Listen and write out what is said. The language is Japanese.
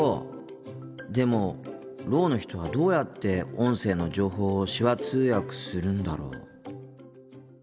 でもろうの人はどうやって音声の情報を手話通訳するんだろう。